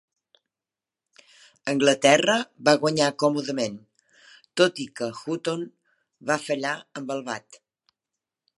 Anglaterra va guanyar còmodament, tot i que Hutton va fallar amb el bat.